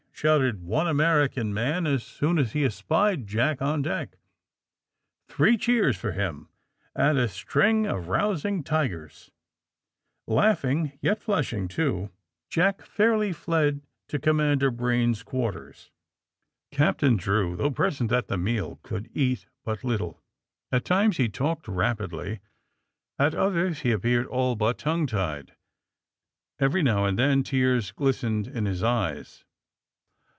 '' shouted one American man, as soon as he espied Jack on deck. '^ Three cheers for him, and a string of rousing tigers !" Laughing, yet flushing too, Jack fairly fled to Commander Breen 'S quarters. AND THE SMUGGLERS 149 Captain Drew, though present at the meal could eat but little. At times he talked rapidly, at others he appeared all but tongue tied. Every now and then tears glistened in his eyes.